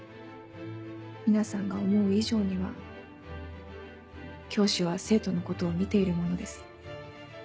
皆さんが思う以上には教師は生徒のことを見ているものです。